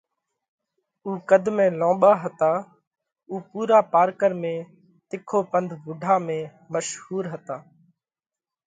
اُو قڌ ۾ لونٻا هتا۔ اُو پُورا پارڪر ۾ تِکو پنڌ ووڍا ۾ مشهُور هتا۔